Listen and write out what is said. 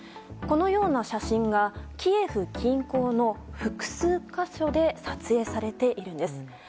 このような写真がキエフ近郊の複数箇所で撮影されているんです。